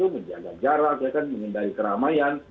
menjaga jarak menghindari keramaian